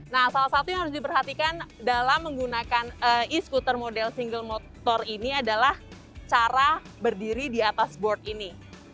nah salah satu yang harus diperhatikan dalam menggunakan e scooter model single motor ini adalah cara berdiri di atas board ini